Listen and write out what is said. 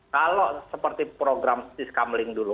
kalau seperti program sis kamling dulu